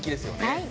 はい。